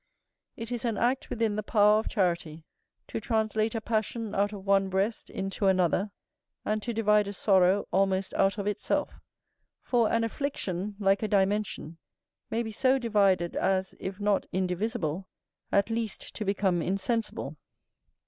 It is an act within the power of charity, to translate a passion out of one breast into another, and to divide a sorrow almost out of itself; for an affliction, like a dimension, may be so divided as, if not indivisible, at least to become insensible.